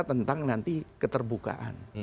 tentang nanti keterbukaan